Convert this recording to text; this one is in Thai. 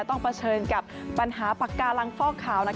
เผชิญกับปัญหาปากการังฟอกขาว